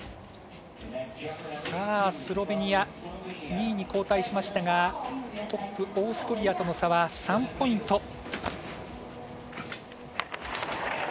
スロベニア２位に後退しましたがトップ、オーストリアとの差は３ポイント。